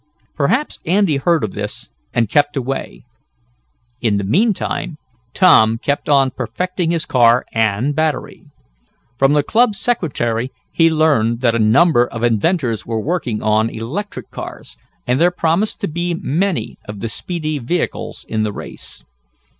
Perhaps Andy heard of this, and kept away. In the meanwhile Tom kept on perfecting his car and battery. From the club secretary he learned that a number of inventors were working on electric cars, and there promised to be many of the speedy vehicles in the race.